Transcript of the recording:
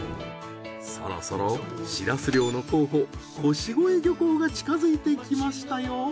そろそろシラス漁の候補腰越漁港が近づいてきましたよ。